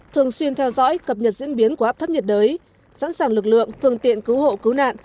thường xuyên theo dõi cập nhật diễn biến của áp thấp nhiệt đới sẵn sàng lực lượng phương tiện cứu hộ cứu nạn